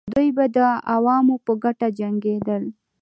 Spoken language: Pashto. دوی به د عوامو په ګټه جنګېدل.